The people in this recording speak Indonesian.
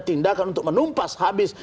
tindakan untuk menumpas habis